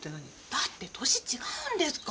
だって歳違うんですから。